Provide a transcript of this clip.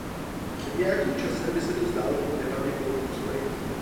Před nějakým časem by se to zdálo být nepravděpodobným spojením.